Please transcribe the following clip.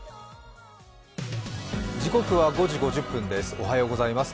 おはようございます。